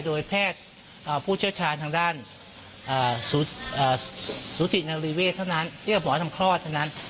แรกผู้เชี่ยวศาลทางด้าน